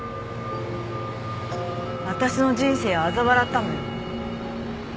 私の人生をあざ笑ったのよ。